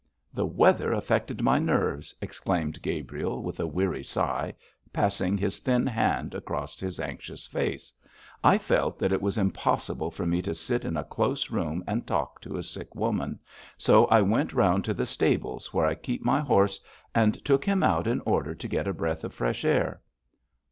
'The weather affected my nerves,' explained Gabriel, with a weary sigh, passing his thin hand across his anxious face. 'I felt that it was impossible for me to sit in a close room and talk to a sick woman, so I went round to the stables where I keep my horse, and took him out in order to get a breath of fresh air.'